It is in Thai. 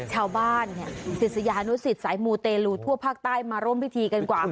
ชาวบ้านศิษยานุสิตสายมูเตลูทั่วภาคใต้มาร่วมพิธีกันกว่า